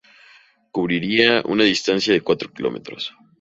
Cubría una distancia de cuatro kilómetros.